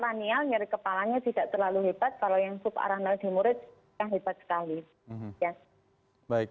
kalau yang subarachnoid di murid tidak hebat sekali